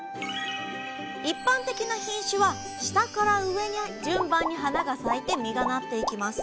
一般的な品種は下から上に順番に花が咲いて実がなっていきます。